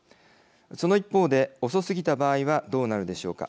その一方で遅すぎた場合はどうなるでしょうか。